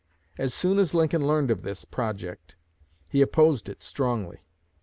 As soon as Lincoln learned of this project, he opposed it strongly.